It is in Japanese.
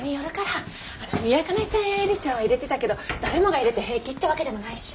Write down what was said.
ミヤカナちゃんやエリちゃんは入れてたけど誰もが入れて平気ってわけでもないし。